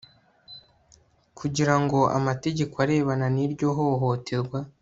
kugira ngo amategeko arebana n'iryo hohoterwa